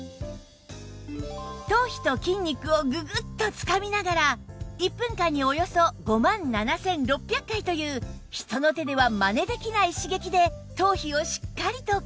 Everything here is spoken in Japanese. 頭皮と筋肉をググッとつかみながら１分間におよそ５万７６００回という人の手ではマネできない刺激で頭皮をしっかりとケア